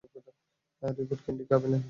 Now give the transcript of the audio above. রিবোড candy খাবে নাকি?